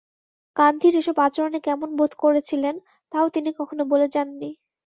গান্ধীর এসব আচরণে কেমন বোধ করেছিলেন, তাও তিনি কখনো বলে যাননি।